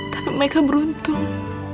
tapi meka beruntung